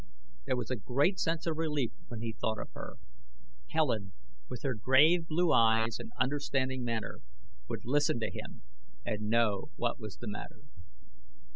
There was a great sense of relief when he thought of her. Helen, with her grave blue eyes and understanding manner, would listen to him and know what was the matter.